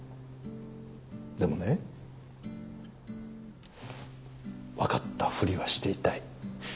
でもね分かったふりはしていたい。